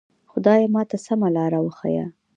خدایه ماته سمه لاره وښیه.